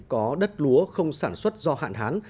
có đất lúa không sản xuất do hạn hán